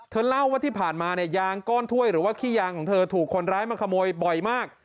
เล่าว่าที่ผ่านมาเนี่ยยางก้อนถ้วยหรือว่าขี้ยางของเธอถูกคนร้ายมาขโมยบ่อยมาก